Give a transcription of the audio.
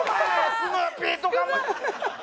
スヌーピーとかもう。